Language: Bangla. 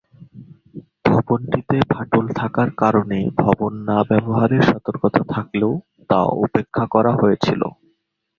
ভবনটিতে ফাটল থাকার কারণে ভবন না ব্যবহারের সতর্কবার্তা থাকলেও তা উপেক্ষা করা হয়েছিল।